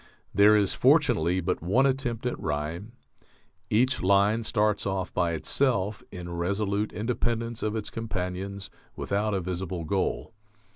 There is, fortunately, but one attempt at rhyme.... Each line starts off by itself, in resolute independence of its companions, without a visible goal